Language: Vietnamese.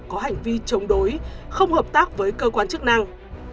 có hành vi chống đối không hợp tác với cơ quan chức năng